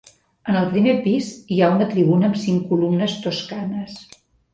En el primer pis, hi ha una tribuna amb cinc columnes toscanes.